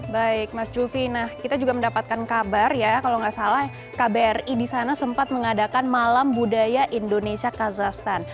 baik mas zulfi nah kita juga mendapatkan kabar ya kalau nggak salah kbri di sana sempat mengadakan malam budaya indonesia kazakhstan